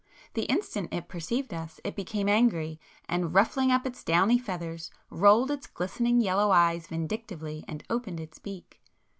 The instant it perceived us, it became angry, and ruffling up its downy feathers, rolled its glistening yellow eyes vindictively and opened its beak.